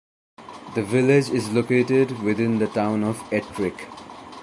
The village is located within the Town of Ettrick.